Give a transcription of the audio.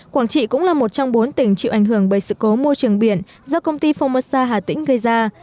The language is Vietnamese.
quảng trị cũng là một trong bốn tỉnh chịu ảnh hưởng bởi sự cố môi trường biển do công ty formosa hà tĩnh gây ra